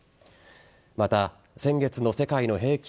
また、先月の世界の平均